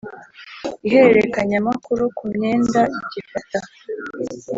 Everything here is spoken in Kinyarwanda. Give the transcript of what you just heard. ihererekanyamakuru ku myenda gifata